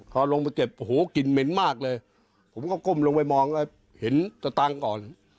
พอลงไปเก็บโอ้โหกลิ่นเหม็นมากเลยผมก็ก้มลงไปมองเห็นสตางค์ก่อน